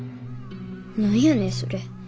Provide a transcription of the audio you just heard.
何やねそれ。